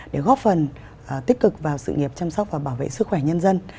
để góp phần tích cực vào sự nghiệp chăm sóc và bảo vệ sức khỏe nhân dân